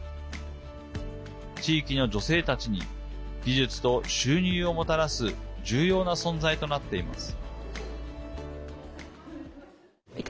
地域の女性たちに技術と収入をもたらす重要な存在となっています。